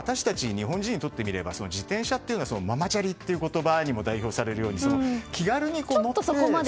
日本人にとってみれば自転車というのはママチャリという言葉にも代表されるように気軽に乗って。